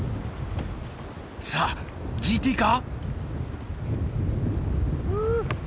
さあＧＴか⁉う。